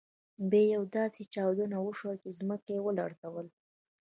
بیا یوه داسې چاودنه وشول چې ځمکه يې ولړزول.